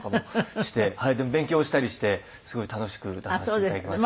でも勉強したりしてすごい楽しく出させていただきました。